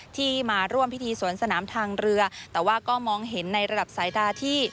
ที่มาร่วมพิธีสวนสนามทางเรือแต่ว่าก็มองเห็นในระดับสายตาที่